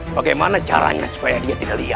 bagaimana caranya supaya dia tidak lihat